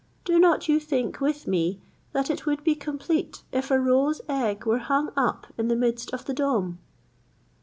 Do not you think with me, that it would be complete if a roe's egg were hung up in the midst of the dome?"